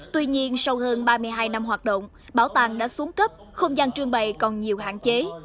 tuy nhiên sau hơn ba mươi hai năm hoạt động bảo tàng đã xuống cấp không gian trương bày còn nhiều hạn chế